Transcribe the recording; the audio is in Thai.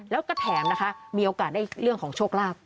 แล้วก็แถมนะคะมีโอกาสได้เรื่องของโชคลาภ